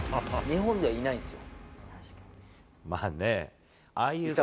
日本にはいないんですよ。